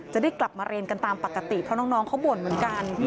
จะได้กลับมาเรียนกันตามปกติเพราะน้องเขาบ่นเหมือนกัน